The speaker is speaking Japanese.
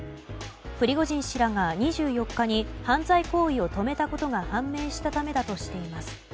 プリゴジン氏らが２４日に犯罪行為を止めたことが判明したためだとしています。